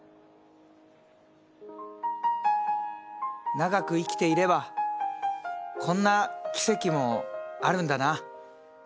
長く生きていればこんな奇跡もあるんだな。